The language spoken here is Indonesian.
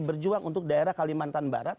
berjuang untuk daerah kalimantan barat